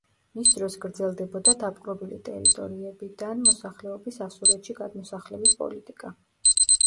მის დროს გრძელდებოდა დაპყრობილი ტერიტორიებიდან მოსახლეობის ასურეთში გადმოსახლების პოლიტიკა.